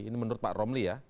ini menurut pak romli ya